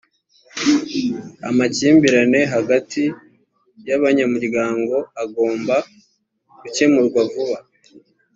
amakimbirane hagati y abanyamuryango agomba gukemurwa vuba